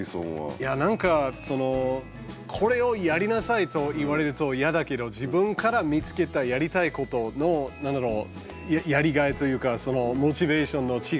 いやなんかその「これをやりなさい」と言われるとやだけど自分から見つけたやりたいことの何だろうやりがいというかそのモチベーションの違いとかは分かるような気がしましたね。